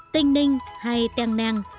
tinh ninh hay teng nang